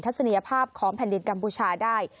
ศนียภาพของแผ่นดินกัมพูชาได้